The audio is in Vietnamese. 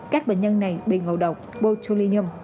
các bệnh nhân này bị ngộ độc botulinum